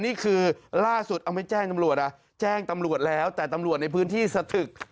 นี่คือล่าสุดเอาไม่แจ้งตำรวจอ่ะแจ้งตำรวจแล้วแต่ตำรวจในพื้นที่สถึก